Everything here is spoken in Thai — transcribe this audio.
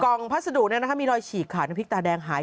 กล่องพัฒน์ดูมีรอยฉีกขาดน้ำพริกตาแดงหาย